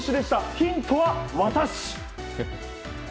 ヒントは私！